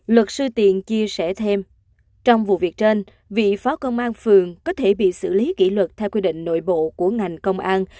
luật sư tiền chia sẻ thêm trong vụ việc trên vị phó công an phường có thể bị xử lý kỷ luật theo quy định nội bộ của ngành công an